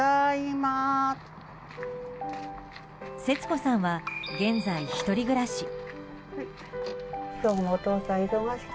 節子さんは現在、１人暮らし。